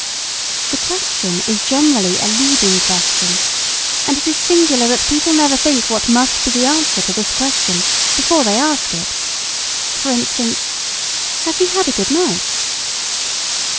The question is generally a leading question; and it is singular that people never think what must be the answer to this question before they ask it: for instance, "Has he had a good night?"